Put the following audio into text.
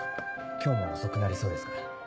今日も遅くなりそうですから。